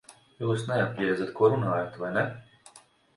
Jūs neapjēdzat, ko runājat, vai ne?